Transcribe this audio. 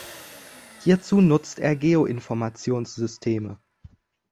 Hierzu nutzt er Geoinformationssysteme.